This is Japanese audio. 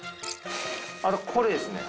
あとこれですね。